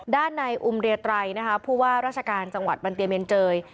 ด้านในอุมเรียไตรนะคะผู้ว่าราชการจังหวัดบันเยเมนเจย